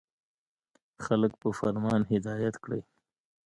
• خلک په فرمان هدایت کړئ.